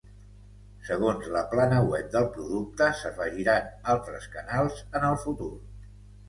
Segons la plana web del producte, s'afegiran altres canals en el futur.